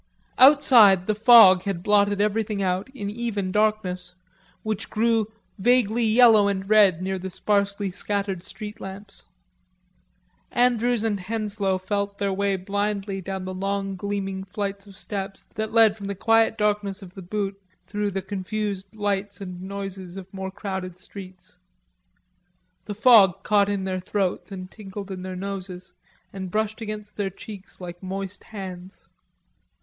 Outside the fog had blotted everything out in even darkness which grew vaguely yellow and red near the sparsely scattered street lamps. Andrews and Henslowe felt their way blindly down the long gleaming flights of steps that led from the quiet darkness of the Butte towards the confused lights and noises of more crowded streets. The fog caught in their throats and tingled in their noses and brushed against their cheeks like moist hands.